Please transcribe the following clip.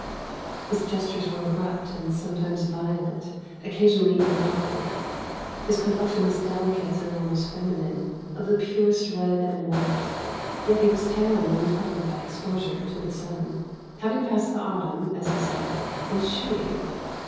His gestures were abrupt and sometimes violent, occasionally even awkward. His complexion was delicate and almost feminine, of the purest red and white; yet he was tanned and freckled by exposure to the sun, having passed the autumn, as he said, in shooting.